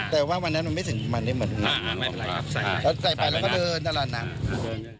แต่ว่าวันนั้นมันไม่สิ่งประมาณนี้เหมือนกันใส่ไปแล้วก็เดินตลอดนับ